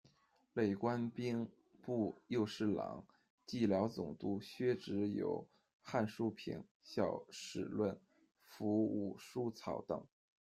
累官兵部右侍郎，蓟辽总督，削职有《汉书评》、《小史论》、《抚吴疏草》等。